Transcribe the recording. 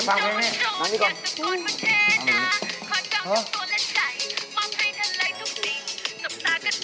มาร้านนี้มานี่น้ำนี้ก่อนอู้มานี่ก่อน